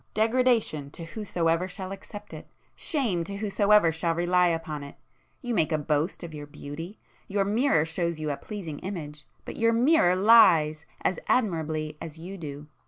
Degradation to whosoever shall accept it,—shame to whosoever shall rely upon it! You make a boast of your beauty; your mirror shows you a pleasing image,—but your mirror lies!—as admirably as you do!